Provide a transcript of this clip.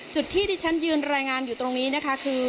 จุดที่ที่ฉันยืนรายงานอยู่ตรงนี้นะคะคือ